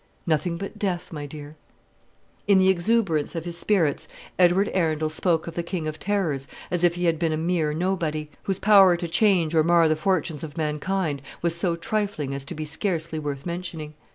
"Nothing but death, my dear." In the exuberance of his spirits, Edward Arundel spoke of the King of Terrors as if he had been a mere nobody, whose power to change or mar the fortunes of mankind was so trifling as to be scarcely worth mentioning.